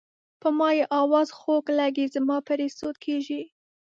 په ما یې اواز خوږ لګي زما پرې سود کیږي.